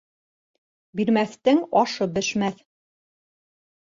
Бирмәҫтең ашы бешмәҫ